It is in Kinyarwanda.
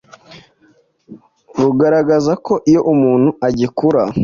rugaragaza ko iyo umuntu agikura